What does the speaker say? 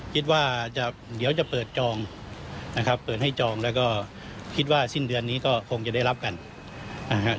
คิดว่าจะเดี๋ยวจะเปิดจองนะครับเปิดให้จองแล้วก็คิดว่าสิ้นเดือนนี้ก็คงจะได้รับกันนะครับ